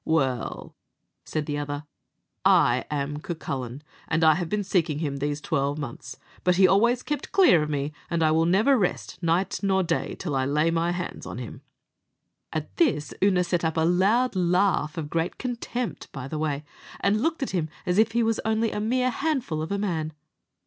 "Well," said the other, "I am Cucullin, and I have been seeking him these twelve months, but he always kept clear of me; and I will never rest night or day till I lay my hands on him." At this Oonagh set up a loud laugh, of great contempt, by the way, and looked at him as if he was only a mere handful of a man.